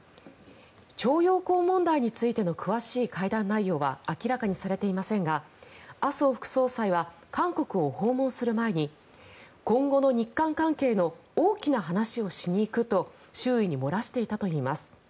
徴用工問題についての詳しい会談内容は明らかにされていませんが麻生副総裁は韓国を訪問する前に今後の日韓関係の大きな話をしに行くと周囲に漏らしていたといいます。